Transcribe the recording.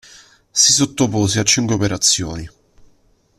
Si sottopose a cinque operazioni.